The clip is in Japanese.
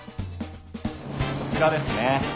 こちらですね。